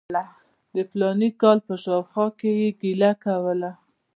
د فلاني کال په شاوخوا کې یې ګیله کوله.